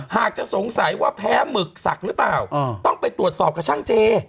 หากจะสงสัยว่าแพ้หมึกศักดิ์หรือเปล่าต้องไปตรวจสอบกับช่างเจ